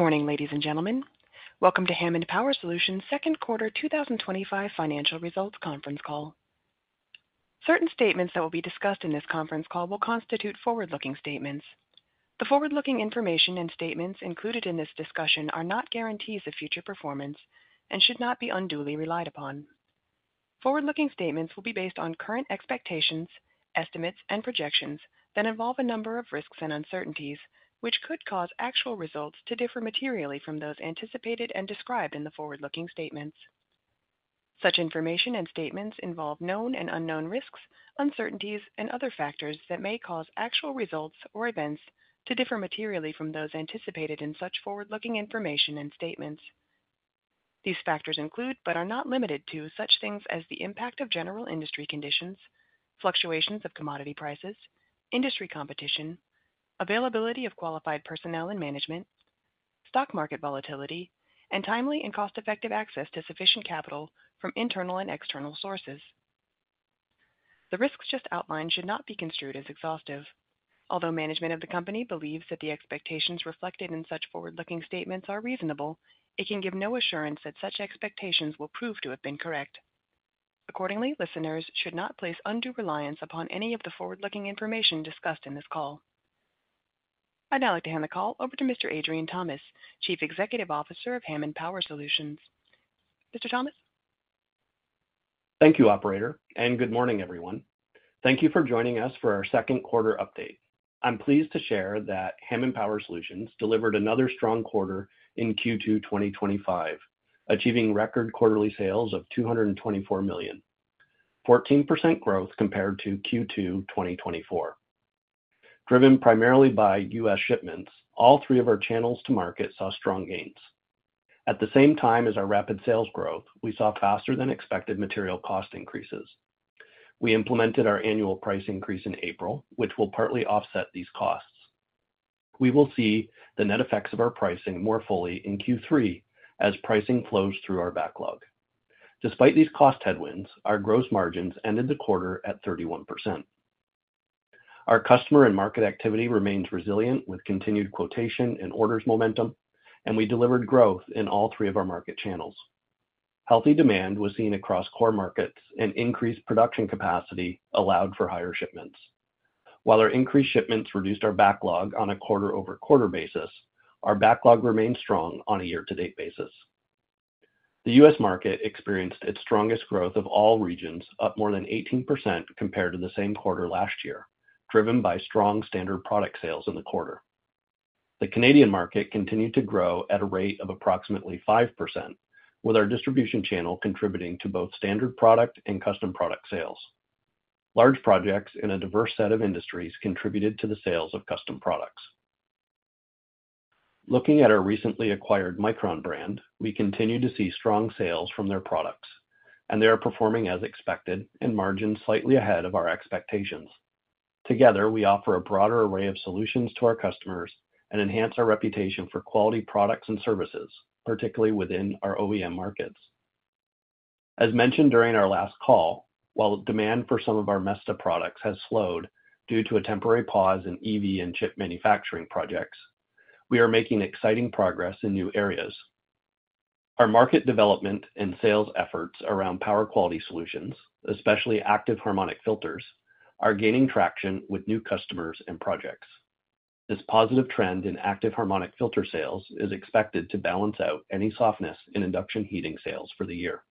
Good morning, ladies and gentlemen. Welcome to Hammond Power Solutions Inc.'s Second Quarter 2025 Financial Results Conference Call. Certain statements that will be discussed in this conference call will constitute forward-looking statements. The forward-looking information and statements included in this discussion are not guarantees of future performance and should not be unduly relied upon. Forward-looking statements will be based on current expectations, estimates, and projections that involve a number of risks and uncertainties, which could cause actual results to differ materially from those anticipated and described in the forward-looking statements. Such information and statements involve known and unknown risks, uncertainties, and other factors that may cause actual results or events to differ materially from those anticipated in such forward-looking information and statements. These factors include, but are not limited to, such things as the impact of general industry conditions, fluctuations of commodity prices, industry competition, availability of qualified personnel and management, stock market volatility, and timely and cost-effective access to sufficient capital from internal and external sources. The risks just outlined should not be construed as exhaustive. Although management of the company believes that the expectations reflected in such forward-looking statements are reasonable, it can give no assurance that such expectations will prove to have been correct. Accordingly, listeners should not place undue reliance upon any of the forward-looking information discussed in this call. I'd now like to hand the call over to Mr. Adrian Thomas, Chief Executive Officer of Hammond Power Solutions Inc. Mr. Thomas? Thank you, Operator, and good morning, everyone. Thank you for joining us for our second quarter update. I'm pleased to share that Hammond Power Solutions Inc. delivered another strong quarter in Q2 2025, achieving record quarterly sales of $224 million, 14% growth compared to Q2 2024. Driven primarily by U.S. shipments, all three of our channels to market saw strong gains. At the same time as our rapid sales growth, we saw faster-than-expected material cost increases. We implemented our annual price increase in April, which will partly offset these costs. We will see the net effects of our pricing more fully in Q3 as pricing flows through our backlog. Despite these cost headwinds, our gross margins ended the quarter at 31%. Our customer and market activity remains resilient with continued quotation and orders momentum, and we delivered growth in all three of our market channels. Healthy demand was seen across core markets, and increased production capacity allowed for higher shipments. While our increased shipments reduced our backlog on a quarter-over-quarter basis, our backlog remains strong on a year-to-date basis. The U.S. market experienced its strongest growth of all regions, up more than 18% compared to the same quarter last year, driven by strong standard product sales in the quarter. The Canadian market continued to grow at a rate of approximately 5%, with our distribution channel contributing to both standard product and custom product sales. Large projects in a diverse set of industries contributed to the sales of custom products. Looking at our recently acquired Micron brand, we continue to see strong sales from their products, and they are performing as expected and margin slightly ahead of our expectations. Together, we offer a broader array of solutions to our customers and enhance our reputation for quality products and services, particularly within our OEM markets. As mentioned during our last call, while demand for some of our MESTA products has slowed due to a temporary pause in EV and chip manufacturing projects, we are making exciting progress in new areas. Our market development and sales efforts around power quality solutions, especially active harmonic filters, are gaining traction with new customers and projects. This positive trend in active harmonic filter sales is expected to balance out any softness in induction heating sales for the year.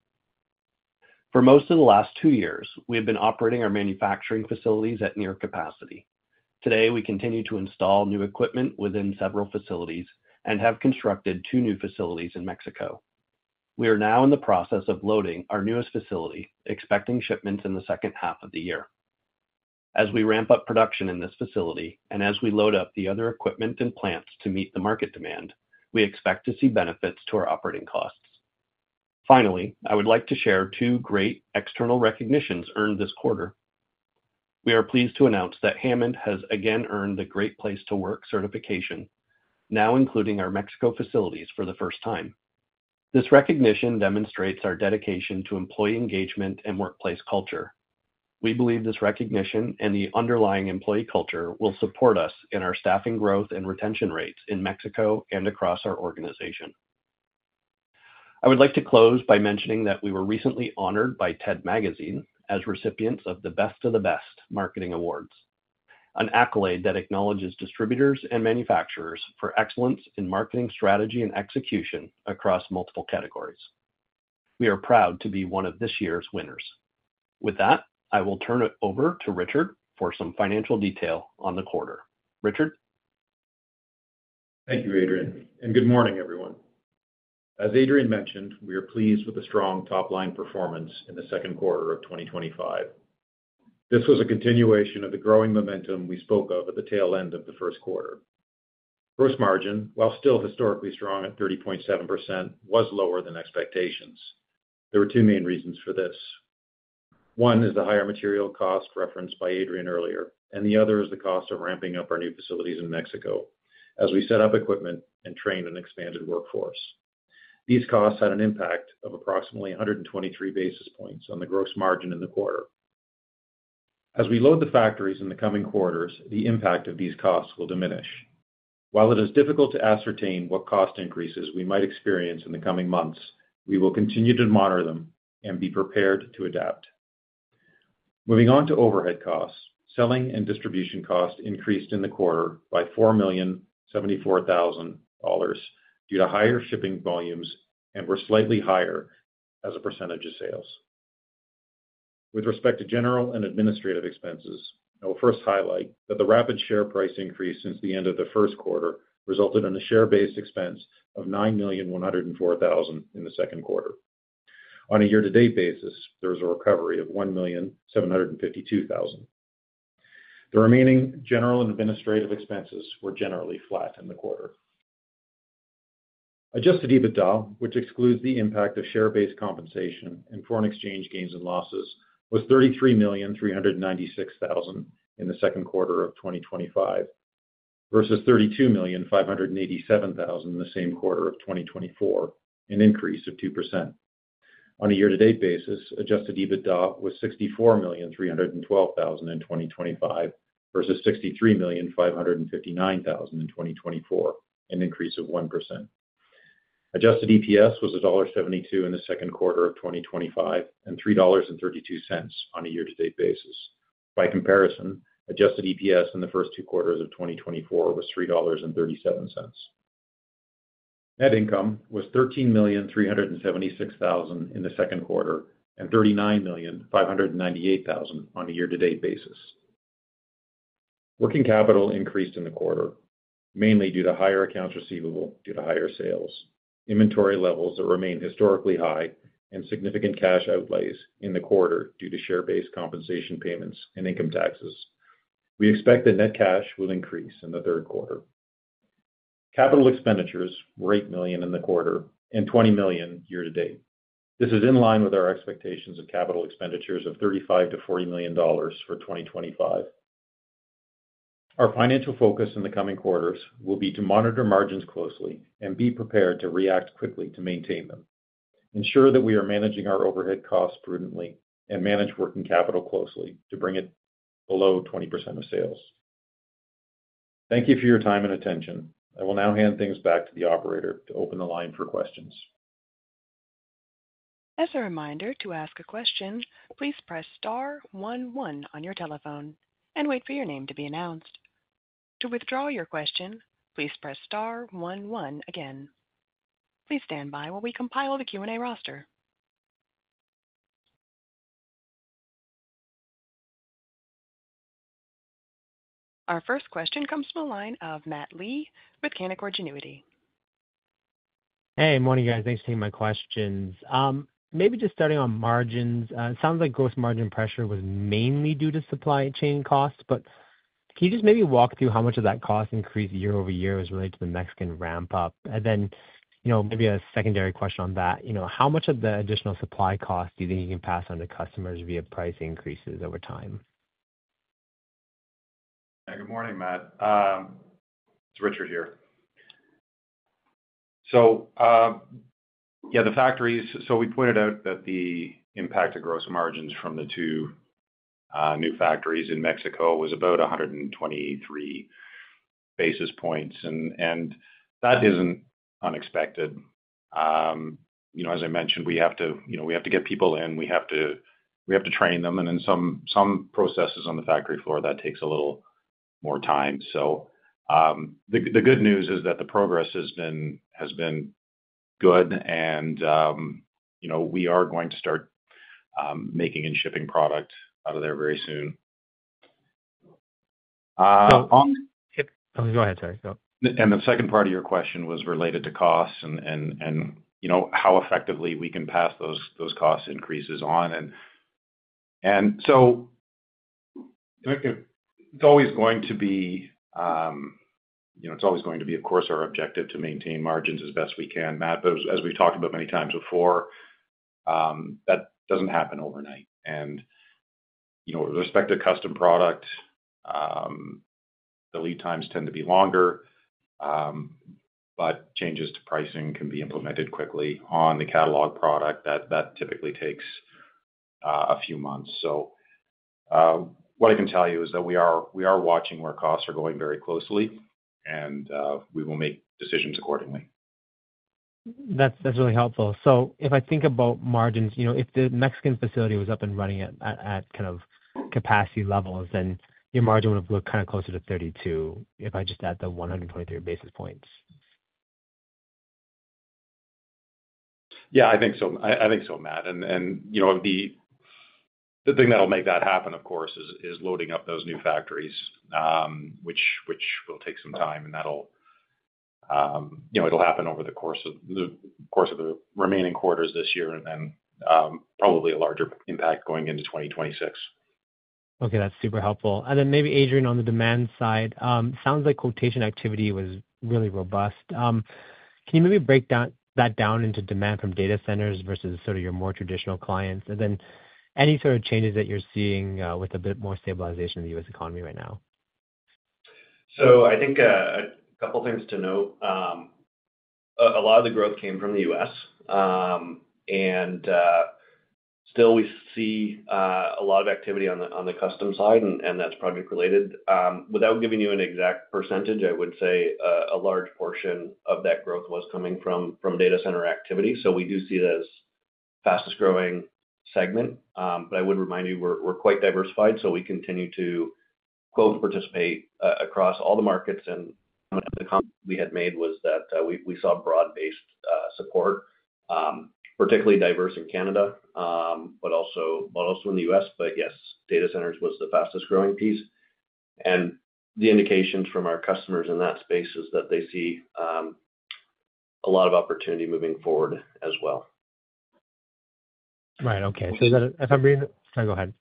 For most of the last two years, we have been operating our manufacturing facilities at near capacity. Today, we continue to install new equipment within several facilities and have constructed two new facilities in Mexico. We are now in the process of loading our newest facility, expecting shipments in the second half of the year. As we ramp up production in this facility and as we load up the other equipment and plants to meet the market demand, we expect to see benefits to our operating costs. Finally, I would like to share two great external recognitions earned this quarter. We are pleased to announce that Hammond Power Solutions Inc has again earned the Great Place to Work certification, now including our Mexico facilities for the first time. This recognition demonstrates our dedication to employee engagement and workplace culture. We believe this recognition and the underlying employee culture will support us in our staffing growth and retention rates in Mexico and across our organization. I would like to close by mentioning that we were recently honored by TED Magazine as recipients of the Best of the Best marketing awards, an accolade that acknowledges distributors and manufacturers for excellence in marketing strategy and execution across multiple categories. We are proud to be one of this year's winners. With that, I will turn it over to Richard Vollering for some financial detail on the quarter. Richard? Thank you, Adrian, and good morning, everyone. As Adrian mentioned, we are pleased with the strong top-line performance in the second quarter of 2025. This was a continuation of the growing momentum we spoke of at the tail end of the first quarter. Gross margin, while still historically strong at 30.7%, was lower than expectations. There were two main reasons for this. One is the higher material cost referenced by Adrian earlier, and the other is the cost of ramping up our new facilities in Mexico as we set up equipment and trained an expanded workforce. These costs had an impact of approximately 123 basis points on the gross margin in the quarter. As we load the factories in the coming quarters, the impact of these costs will diminish. While it is difficult to ascertain what cost increases we might experience in the coming months, we will continue to monitor them and be prepared to adapt. Moving on to overhead costs, selling and distribution costs increased in the quarter by $4,074,000 due to higher shipping volumes and were slightly higher as a percentage of sales. With respect to general and administrative expenses, I will first highlight that the rapid share price increase since the end of the first quarter resulted in a share-based expense of $9,104,000 in the second quarter. On a year-to-date basis, there was a recovery of $1,752,000. The remaining general and administrative expenses were generally flat in the quarter. Adjusted EBITDA, which excludes the impact of share-based compensation and foreign exchange gains and losses, was $33,396,000 in the second quarter of 2025 versus $32,587,000 in the same quarter of 2024, an increase of 2%. On a year-to-date basis, adjusted EBITDA was $64,312,000 in 2025 versus $63,559,000 in 2024, an increase of 1%. Adjusted EPS was $1.72 in the second quarter of 2025 and $3.32 on a year-to-date basis. By comparison, adjusted EPS in the first two quarters of 2024 was $3.37. Net income was $13,376,000 in the second quarter and $39,598,000 on a year-to-date basis. Working capital increased in the quarter, mainly due to higher accounts receivable due to higher sales, inventory levels that remain historically high, and significant cash outlays in the quarter due to share-based compensation payments and income taxes. We expect that net cash will increase in the third quarter. Capital expenditures were $8 million in the quarter and $20 million year-to-date. This is in line with our expectations of capital expenditures of $35 million-$40 million for 2025. Our financial focus in the coming quarters will be to monitor margins closely and be prepared to react quickly to maintain them. Ensure that we are managing our overhead costs prudently and manage working capital closely to bring it below 20% of sales. Thank you for your time and attention. I will now hand things back to the Operator to open the line for questions. As a reminder, to ask a question, please press star one one on your telephone and wait for your name to be announced. To withdraw your question, please press star one one again. Please stand by while we compile the Q&A roster. Our first question comes from the line of Matthew James Lee with Canaccord Genuity. Hey, morning, guys. Thanks for taking my questions. Maybe just starting on margins, it sounds like gross margin pressure was mainly due to supply chain costs, but can you just maybe walk through how much of that cost increase year-over-year was related to the Mexican ramp-up? You know, maybe a secondary question on that. How much of the additional supply cost do you think you can pass on to customers via price increases over time? Good morning, Matt. It's Richard here. The factories, we pointed out that the impact of gross margins from the two new factories in Mexico was about 123 basis points, and that isn't unexpected. As I mentioned, we have to get people in, we have to train them, and in some processes on the factory floor, that takes a little more time. The good news is that the progress has been good, and we are going to start making and shipping product out of there very soon. Go ahead, sorry. The second part of your question was related to costs and how effectively we can pass those cost increases on. It's always going to be our objective to maintain margins as best we can, Matt, but as we've talked about many times before, that doesn't happen overnight. With respect to custom product, the lead times tend to be longer, but changes to pricing can be implemented quickly. On the catalog product, that typically takes a few months. What I can tell you is that we are watching where costs are going very closely, and we will make decisions accordingly. That's really helpful. If I think about margins, you know, if the Mexican facility was up and running at kind of capacity levels, then your margin would have looked kind of closer to 32%, if I just add the 123 basis points. I think so, Matt. The thing that'll make that happen, of course, is loading up those new factories, which will take some time. That'll happen over the course of the remaining quarters this year and probably a larger impact going into 2026. Okay, that's super helpful. Maybe, Adrian, on the demand side, it sounds like quotation activity was really robust. Can you maybe break that down into demand from data centers versus sort of your more traditional clients? Any sort of changes that you're seeing with a bit more stabilization in the U.S. economy right now? I think a couple of things to note. A lot of the growth came from the U.S., and we still see a lot of activity on the custom side, and that's project-related. Without giving you an exact percentage, I would say a large portion of that growth was coming from data center activity. We do see it as the fastest growing segment, but I would remind you we're quite diversified, so we continue to quote and participate across all the markets. One of the comments we had made was that we saw broad-based support, particularly diverse in Canada, but also in the U.S. Yes, data centers was the fastest growing piece. The indications from our customers in that space is that they see a lot of opportunity moving forward as well. Right, okay. Is that a... Sorry, go ahead.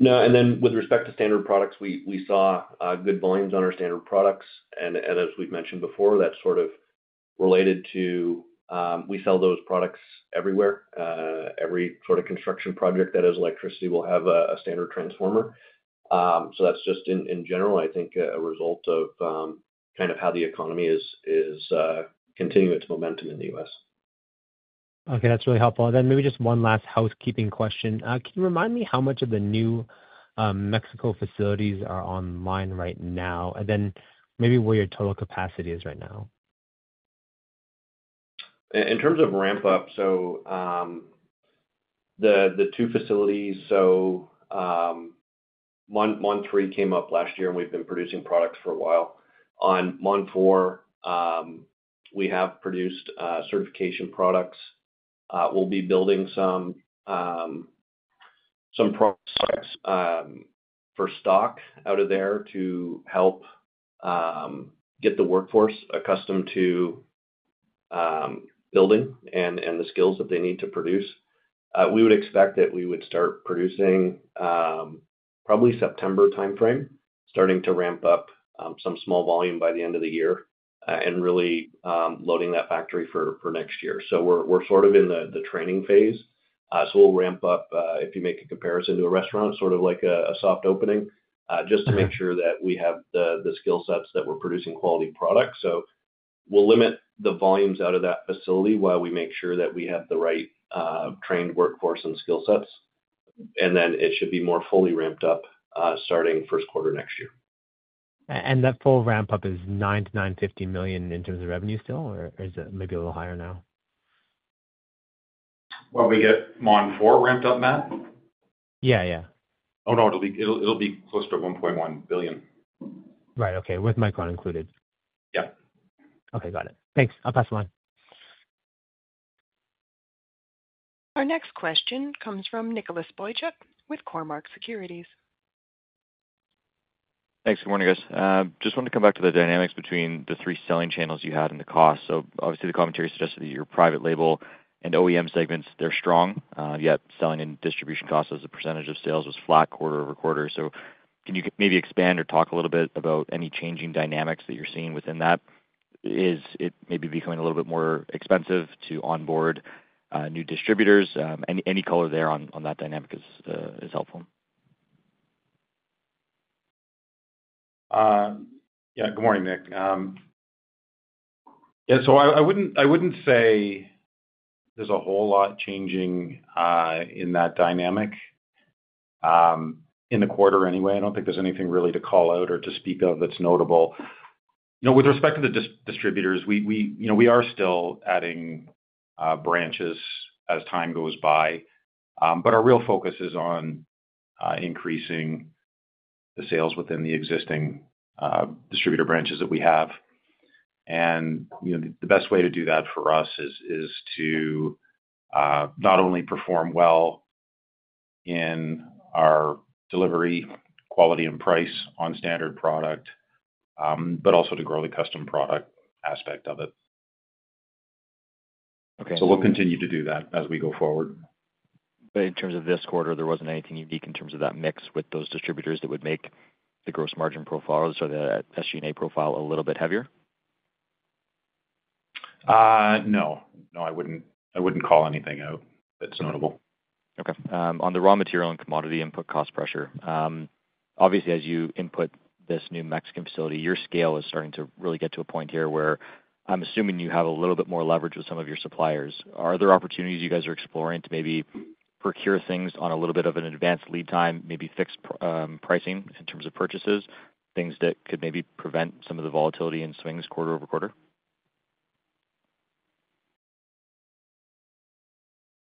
No, with respect to standard products, we saw good volumes on our standard products. As we've mentioned before, that's sort of related to we sell those products everywhere. Every sort of construction project that has electricity will have a standard transformer. That's just in general, I think, a result of kind of how the economy is continuing its momentum in the U.S. Okay, that's really helpful. Maybe just one last housekeeping question. Can you remind me how much of the new Mexico facilities are online right now, and where your total capacity is right now? In terms of ramp-up, the two facilities, Mon3 came up last year, and we've been producing products for a while. On Mon4, we have produced certification products. We'll be building some products for stock out of there to help get the workforce accustomed to building and the skills that they need to produce. We would expect that we would start producing probably September timeframe, starting to ramp up some small volume by the end of the year, and really loading that factory for next year. We're sort of in the training phase. We'll ramp up, if you make a comparison to a restaurant, it's sort of like a soft opening, just to make sure that we have the skill sets that we're producing quality products. We'll limit the volumes out of that facility while we make sure that we have the right trained workforce and skill sets. It should be more fully ramped up starting first quarter next year. That full ramp-up is $9 million, $9.5 million in terms of revenue still, or is it maybe a little higher now? When we get Mon4 ramped up, Matt? Yeah. Oh, no, it'll be closer to $1.1 billion. Right, okay, with Micron included? Yeah. Okay, got it. Thanks. I'll pass the line. Our next question comes from Nicholas Boychuk with Cormark Securities. Thanks, good morning, guys. I just wanted to come back to the dynamics between the three selling channels you had and the costs. Obviously, the commentary suggested that your private label and OEM segments, they're strong, yet selling and distribution costs as a percentage of sales was flat quarter over quarter. Can you maybe expand or talk a little bit about any changing dynamics that you're seeing within that? Is it maybe becoming a little bit more expensive to onboard new distributors? Any color there on that dynamic is helpful. Good morning, Nick. I wouldn't say there's a whole lot changing in that dynamic in the quarter anyway. I don't think there's anything really to call out or to speak of that's notable. With respect to the distributors, we are still adding branches as time goes by, but our real focus is on increasing the sales within the existing distributor branches that we have. The best way to do that for us is to not only perform well in our delivery, quality, and price on standard product, but also to grow the custom product aspect of it. We'll continue to do that as we go forward. In terms of this quarter, there wasn't anything unique in terms of that mix with those distributors that would make the gross margin profile or the SG&A profile a little bit heavier? No, I wouldn't call anything out that's notable. Okay. On the raw material and commodity input cost pressure, obviously, as you input this new Mexican facility, your scale is starting to really get to a point here where I'm assuming you have a little bit more leverage with some of your suppliers. Are there opportunities you guys are exploring to maybe procure things on a little bit of an advanced lead time, maybe fix pricing in terms of purchases, things that could maybe prevent some of the volatility and swings quarter-over-quarter?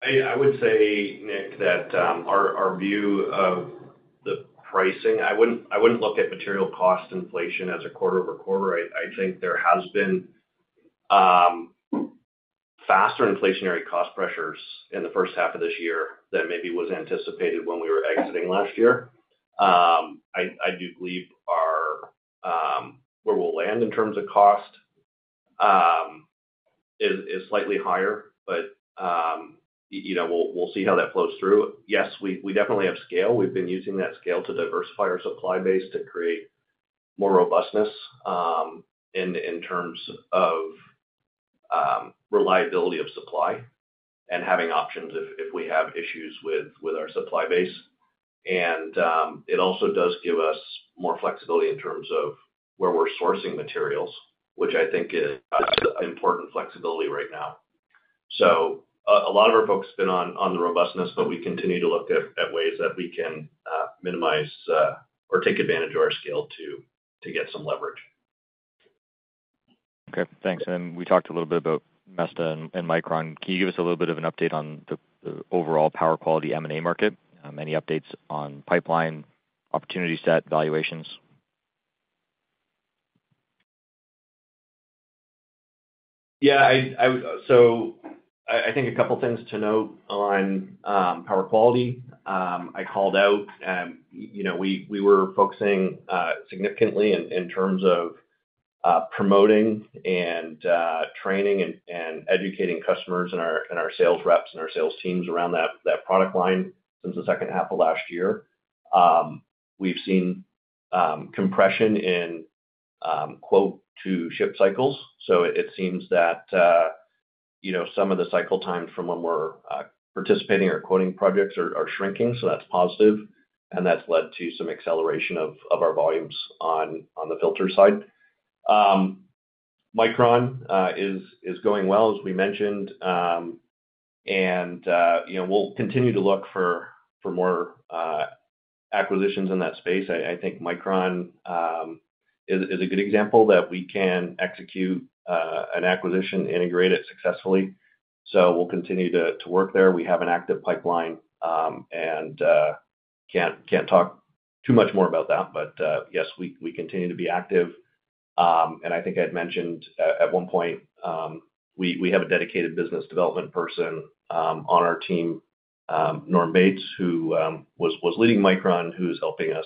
I would say, Nick, that our view of the pricing, I wouldn't look at material cost inflation as a quarter- over-quarter. I think there have been faster inflationary cost pressures in the first half of this year than maybe was anticipated when we were exiting last year. I do believe where we'll land in terms of cost is slightly higher, but you know we'll see how that flows through. Yes, we definitely have scale. We've been using that scale to diversify our supply base to create more robustness in terms of reliability of supply and having options if we have issues with our supply base. It also does give us more flexibility in terms of where we're sourcing materials, which I think is an important flexibility right now. A lot of our focus has been on the robustness, but we continue to look at ways that we can minimize or take advantage of our scale to get some leverage. Okay, thanks. We talked a little bit about MESTA and Micron. Can you give us a little bit of an update on the overall power quality M&A market? Any updates on pipeline, opportunity set, valuations? I think a couple of things to note on power quality. I called out, you know, we were focusing significantly in terms of promoting and training and educating customers and our sales reps and our sales teams around that product line since the second half of last year. We've seen compression in quote-to-ship cycles, so it seems that, you know, some of the cycle times from when we're participating or quoting projects are shrinking, so that's positive, and that's led to some acceleration of our volumes on the filter side. Micron is going well, as we mentioned, and you know, we'll continue to look for more acquisitions in that space. I think Micron is a good example that we can execute an acquisition and integrate it successfully, so we'll continue to work there. We have an active pipeline, and can't talk too much more about that, but yes, we continue to be active, and I think I had mentioned at one point we have a dedicated business development person on our team, Norm Bates, who was leading Micron, who's helping us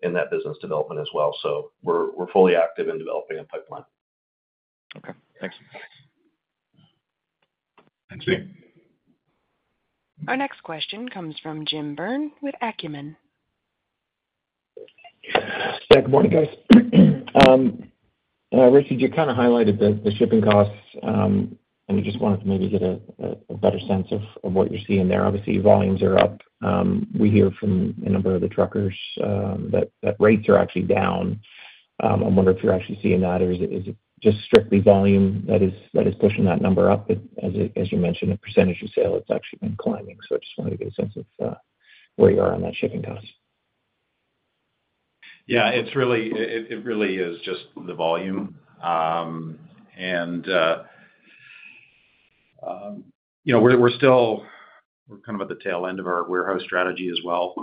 in that business development as well, so we're fully active in developing a pipeline. Okay, thanks. Thank you. Our next question comes from Jim Byrne with Acumen. Good morning, guys. Richard, you kind of highlighted the shipping costs, and we just wanted to maybe get a better sense of what you're seeing there. Obviously, volumes are up. We hear from a number of the truckers that rates are actually down. I wonder if you're actually seeing that, or is it just strictly volume that is pushing that number up? As you mentioned, in percentage of sale, it's actually been climbing, so I just wanted to get a sense of where you are on that shipping cost. Yeah, it really is just the volume, and you know, we're still kind of at the tail end of our warehouse strategy as well,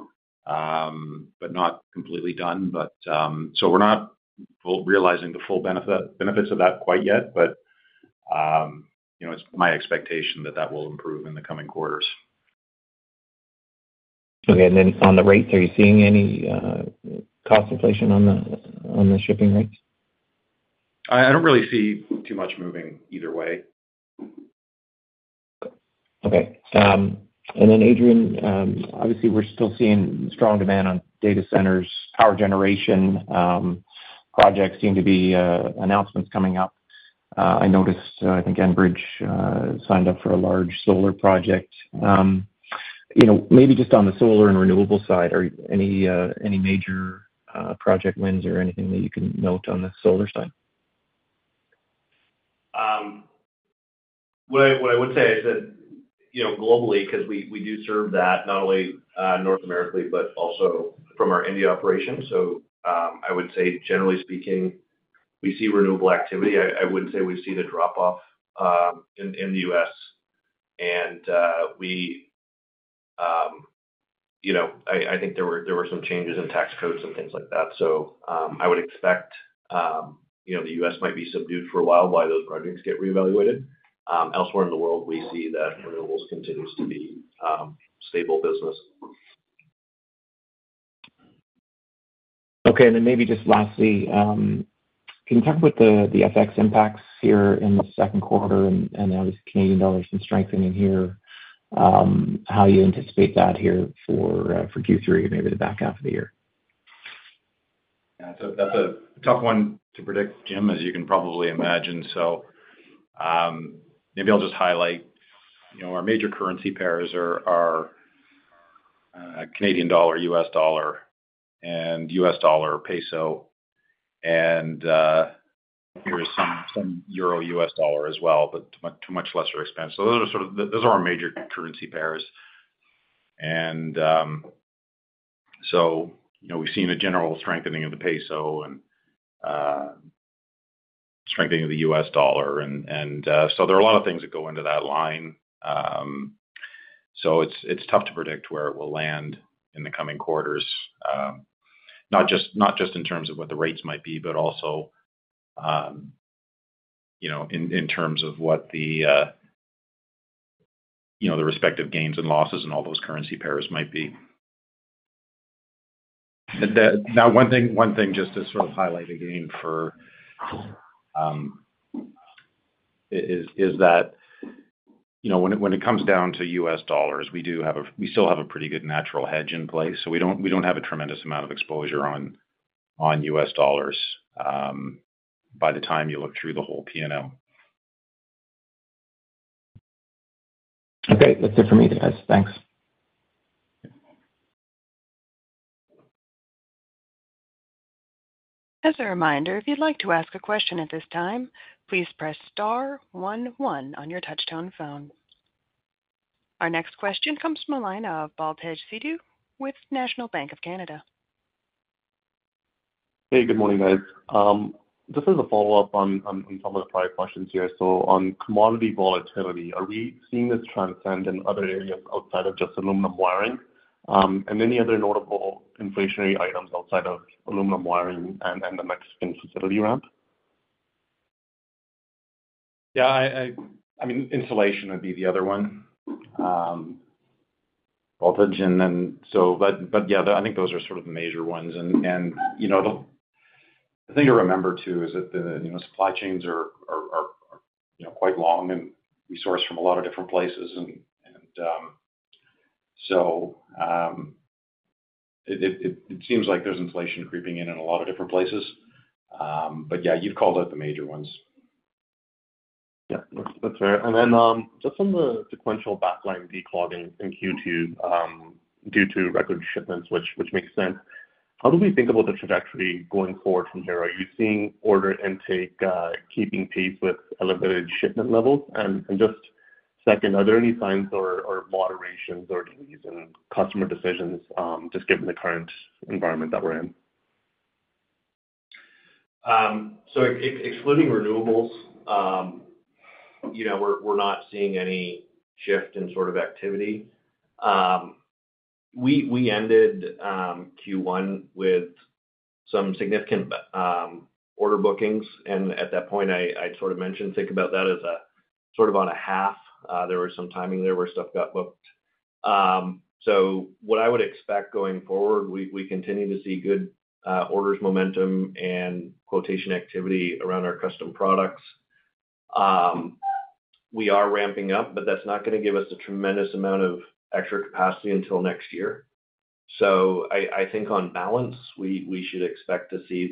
not completely done, so we're not realizing the full benefits of that quite yet, but you know, it's my expectation that that will improve in the coming quarters. Okay, on the rates, are you seeing any cost inflation on the shipping rates? I don't really see too much moving either way. Okay, and then Adrian, obviously, we're still seeing strong demand on data centers, power generation projects, seem to be announcements coming up. I noticed, I think Enbridge signed up for a large solar project. Maybe just on the solar and renewable side, are there any major project wins or anything that you can note on the solar side? What I would say is that, globally, because we do serve that not only North America, but also from our India operation, I would say, generally speaking, we see renewable activity. I would say we see the drop-off in the U.S., and I think there were some changes in tax codes and things like that, so I would expect the U.S. might be subdued for a while while those projects get reevaluated. Elsewhere in the world, we see that renewables continue to be a stable business. Okay, and then maybe just lastly, can you talk about the FX impacts here in the second quarter, and obviously Canadian dollars are strengthening here, how you anticipate that here for Q3, maybe the back half of the year? That's a tough one to predict, Jim, as you can probably imagine. Maybe I'll just highlight, you know, our major currency pairs are Canadian dollar, U.S. dollar, and U.S. dollar, peso, and there's some euro, U.S. dollar as well, but to a much lesser extent. Those are our major currency pairs, and we've seen a general strengthening of the peso and strengthening of the U.S. dollar. There are a lot of things that go into that line, so it's tough to predict where it will land in the coming quarters, not just in terms of what the rates might be, but also in terms of what the respective gains and losses in all those currency pairs might be. One thing just to sort of highlight again is that when it comes down to U.S. dollars, we still have a pretty good natural hedge in place, so we don't have a tremendous amount of exposure on U.S. dollars by the time you look through the whole P&L. Okay, that's it for me, guys. Thanks. As a reminder, if you'd like to ask a question at this time, please press star one on your touchtone phone. Our next question comes from a line of Baltej Sidhu with National Bank of Canada. Hey, good morning, guys. Just as a follow-up on some of the prior questions here, on commodity volatility, are we seeing this transcend in other areas outside of just aluminum wiring? Any other notable inflationary items outside of aluminum wiring and the Mexican facility ramp? Yeah, I mean, insulation would be the other one. Voltage, and then, yeah, I think those are sort of the major ones. You know, the thing to remember, too, is that the supply chains are quite long, and we source from a lot of different places, and it seems like there's inflation creeping in in a lot of different places. Yeah, you've called out the major ones. Yeah, that's fair. Just on the sequential backline declogging in Q2 due to record shipments, which makes sense, how do we think about the trajectory going forward from here? Are you seeing order intake keeping pace with elevated shipment levels? Are there any signs or moderations or delays in customer decisions just given the current environment that we're in? Excluding renewables, you know, we're not seeing any shift in sort of activity. We ended Q1 with some significant order bookings, and at that point, I sort of mentioned, think about that as sort of on a half. There was some timing there where stuff got booked. What I would expect going forward, we continue to see good orders momentum and quotation activity around our custom products. We are ramping up, but that's not going to give us a tremendous amount of extra capacity until next year. I think on balance, we should expect to see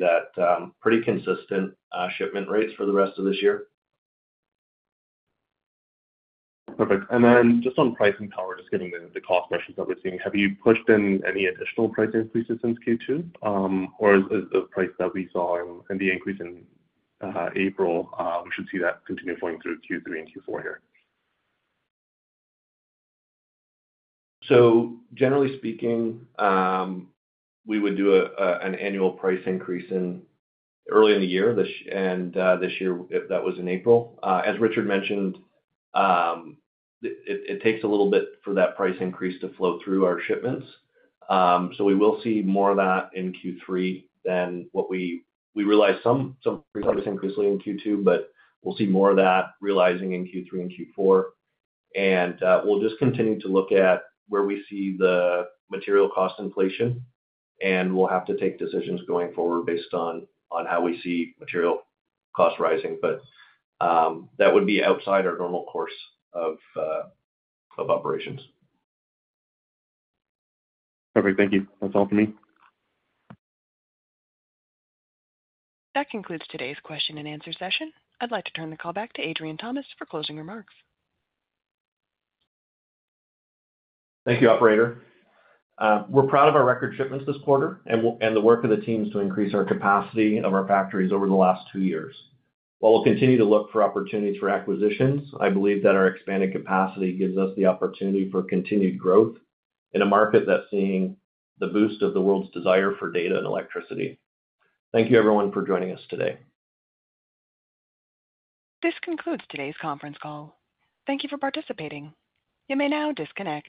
pretty consistent shipment rates for the rest of this year. Perfect. Just on pricing power, just getting the cost pressures that we're seeing, have you pushed in any additional price increases since Q2? Is the price that we saw in the increase in April, we should see that continue flowing through Q3 and Q4 here? Generally speaking, we would do an annual price increase early in the year, and this year, that was in April. As Richard mentioned, it takes a little bit for that price increase to flow through our shipments. We will see more of that in Q3 than what we realized; some price increase in Q2, but we'll see more of that realizing in Q3 and Q4. We'll just continue to look at where we see the material cost inflation, and we'll have to take decisions going forward based on how we see material cost rising. That would be outside our normal course of operations. Perfect. Thank you. That's all for me. That concludes today's question and answer session. I'd like to turn the call back to Adrian Thomas for closing remarks. Thank you, Operator. We're proud of our record shipments this quarter and the work of the teams to increase our capacity of our factories over the last two years. While we'll continue to look for opportunities for acquisitions, I believe that our expanded capacity gives us the opportunity for continued growth in a market that's seeing the boost of the world's desire for data and electricity. Thank you, everyone, for joining us today. This concludes today's conference call. Thank you for participating. You may now disconnect.